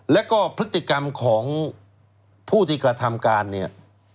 แล้วก็พฤติกรรมของผู้ที่กระทำการเนี่ย